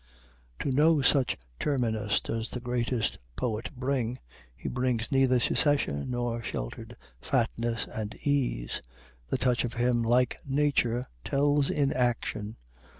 To no such terminus does the greatest poet bring he brings neither cessation nor shelter'd fatness and ease. The touch of him, like Nature, tells in action.